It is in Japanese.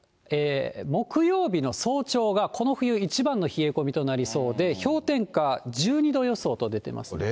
木曜日の早朝がこの冬一番の冷え込みとなりそうで、氷点下１２度予想となっています。